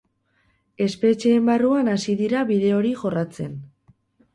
Espetxeen barruan hasi dira bide hori jorratzen.